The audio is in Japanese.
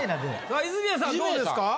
さあ泉谷さんどうですか？